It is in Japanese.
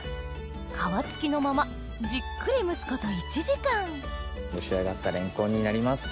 皮付きのままじっくり蒸すこと１時間蒸し上がったレンコンになります。